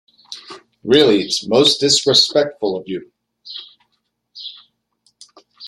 Really, it’s most disrespectful of you!